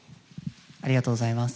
ありがとうございます。